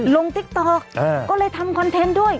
ติ๊กต๊อกก็เลยทำคอนเทนต์ด้วย